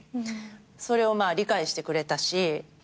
それを理解してくれたし。